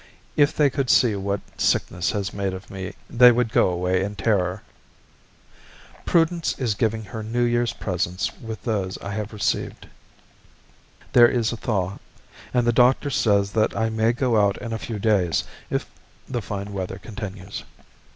If they could see what sickness has made of me, they would go away in terror. Prudence is giving her New Year's presents with those I have received. There is a thaw, and the doctor says that I may go out in a few days if the fine weather continues.